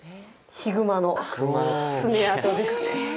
ヒグマの爪痕ですね。